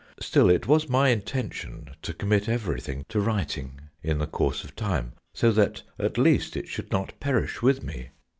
" Still it was my intention to commit everything to writing in the course of time, so that at least it should not perish with me.